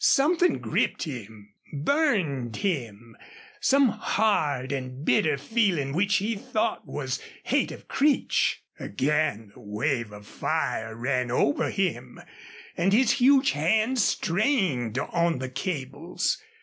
Something gripped him, burned him some hard and bitter feeling which he thought was hate of Creech. Again the wave of fire ran over him, and his huge hands strained on the cables.